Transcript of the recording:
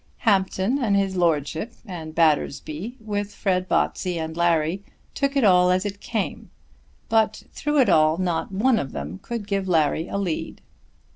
Hampton and his Lordship, and Battersby, with Fred Botsey and Larry, took it all as it came, but through it all not one of them could give Larry a lead.